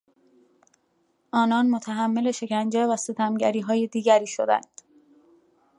آنان متحمل شکنجه و ستمگریهای دیگری شدند.